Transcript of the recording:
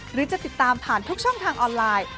หรือจะติดตามผ่านทุกช่องทางออนไลน์